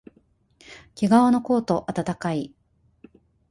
けがわのコート、あたたかい